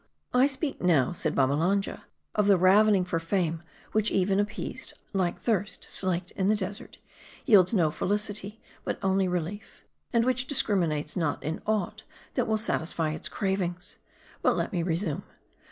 ^, "I speak now," said Babbalanja, "of the ravening for fame ; which even appeased, like thirst slaked in the desert, yields no felicity, but only relief; and which discriminates not in aught that will satisfy its cravings. But let me re sume.